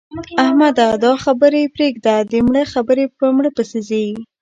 احمده! دا خبرې پرېږده؛ د مړه خبرې په مړه پسې ځي.